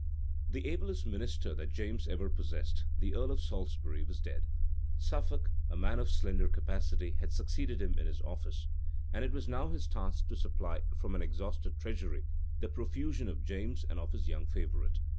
The ablest minister that James ever possessed, the earl of Salisbury, was dead.[*] Suffolk, a man of slender capacity, had succeeded him in his office; and it was now his task to supply, from an exhausted treasury, the profusion of James and of his young favorite.